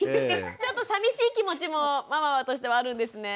ちょっとさみしい気持ちもママとしてはあるんですね。